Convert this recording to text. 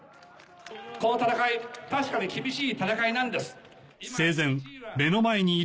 この戦い確かに厳しい戦いなんです。